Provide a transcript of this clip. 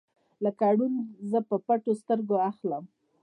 لکه ړوند یې زه په پټو سترګو اخلم